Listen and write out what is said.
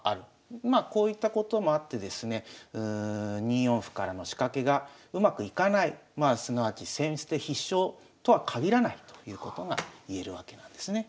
まあこういったこともあってですね２四歩からの仕掛けがうまくいかないまあすなわち先手必勝とは限らないということがいえるわけなんですね。